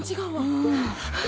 うん。